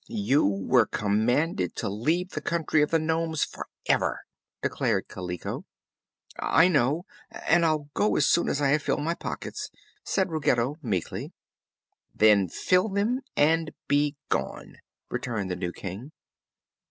"You were commanded to leave the country of the nomes forever!" declared Kaliko. "I know; and I'll go as soon as I have filled my pockets," said Ruggedo, meekly. "Then fill them, and be gone," returned the new King.